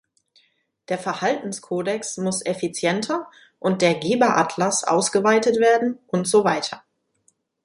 Der Verhaltenskodex muss effizienter und der Geberatlas ausgeweitet werden und so weiter.